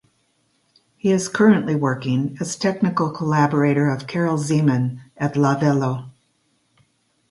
He is currently working as technical collaborator of Karel Zeman at Lavello.